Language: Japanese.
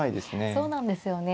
そうなんですよね。